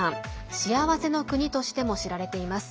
幸せの国としても知られています。